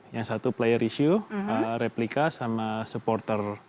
yang satu player issue replika sama supporter